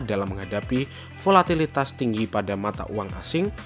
dalam menghadapi volatilitas tinggi pada mata uang asing